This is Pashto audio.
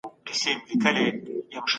دا ټکنالوژي د تشخیص لپاره کارول کېږي.